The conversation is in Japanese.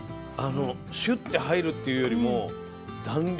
シュッて入るっていうよりも弾力。